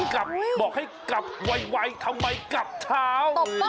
กลับบอกให้กลับไวทำไมกลับเช้า